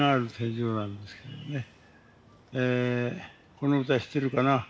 この歌知ってるかな。